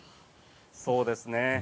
そうですね。